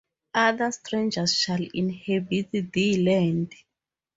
Other strangers shall inhabit thy land.